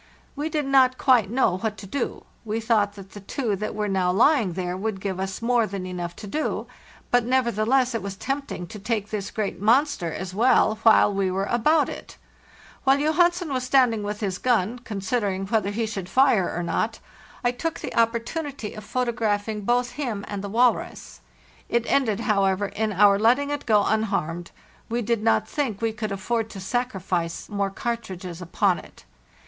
We did not quite know what to do; we thought that the two that were now lying there would give us more than enough to do, but neverthe less it was tempting to take this great monster as well, while we were about it. While Johansen was standing with Jhis gun, considering whether he should fire or not, I took the opportunity of photographing both him and the walrus. It ended, however, in our letting it go unharmed; we did not think we could atford to sacrifice more cartridges upon it.